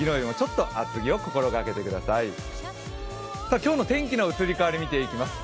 今日の天気の移り変わりを見ていきます。